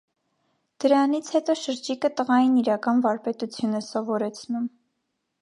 Դրանից հետո շրջիկը տղային իրական վարպետություն է սովորեցնում։